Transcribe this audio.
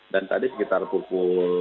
dan tadi sekitar pukul